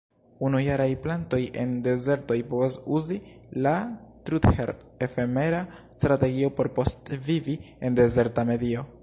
Unujaraj plantoj en dezertoj povas uzi la trudherb-efemera strategio por postvivi en dezerta medio.